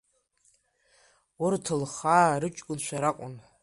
Урҭ лхаа рыҷкәынцәа ракәын.